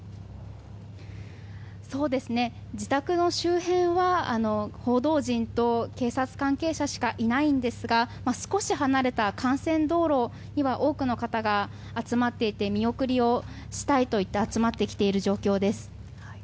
自宅の周辺は報道陣と警察関係者しかいないんですが少し離れた幹線道路には多くの方が集まっていて見送りをしたいといって集まってきている状況です。